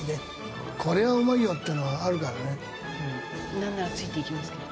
なんならついていきますけど。